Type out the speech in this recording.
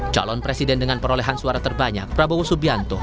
calon presiden dengan perolehan suara terbanyak prabowo subianto